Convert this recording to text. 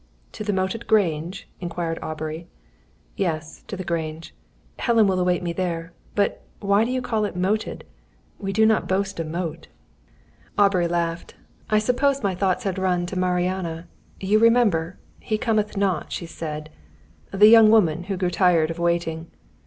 "To the moated Grange?" inquired Aubrey. "Yes, to the Grange. Helen will await me there. But why do you call it 'moated'? We do not boast a moat." Aubrey laughed. "I suppose my thoughts had run to 'Mariana.' You remember? 'He cometh not,' she said; the young woman who grew tired of waiting.